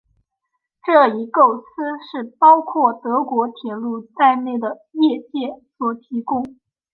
这一构思是由包括德国铁路在内的业界所提供。